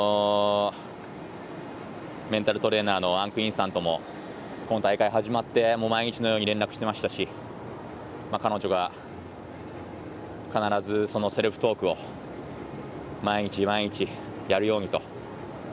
メンタルトレーナーのアン・クインさんとも今大会始まって毎日のように連絡してましたし彼女が必ずそのセルフトークを毎日毎日やるようにと。